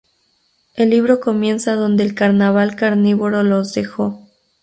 El libro comienza donde el Carnaval Carnívoro los dejó.